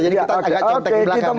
jadi kita agak contek di belakang